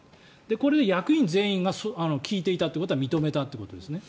これは、役員全員が聞いていたということは認めたということですね。